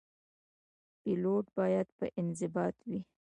پیلوټ باید باانضباط وي.